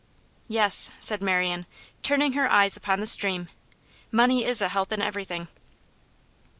'Yes,' said Marian, turning her eyes upon the stream, 'money is a help in everything.